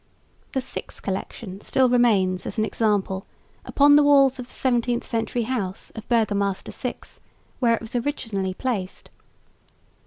The "Six" collection still remains as an example upon the walls of the 17th century house of Burgomaster Six, where it was originally placed.